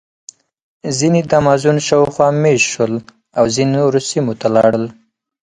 ځینې د امازون شاوخوا مېشت شول او ځینې نورو سیمو ته لاړل.